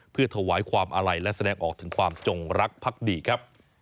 เพื่อถวายความอาลัยและแสดงออกถึงความจงรักพักดีครับ